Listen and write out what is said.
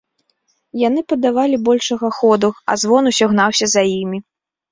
Яны паддавалі большага ходу, а звон ўсё гнаўся за імі.